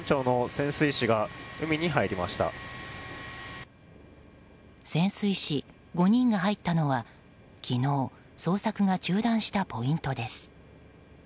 潜水士５人が入ったのは昨日、捜索が中断したポイントです。